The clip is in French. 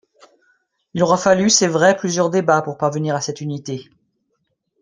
Il aura fallu, c’est vrai, plusieurs débats pour parvenir à cette unité.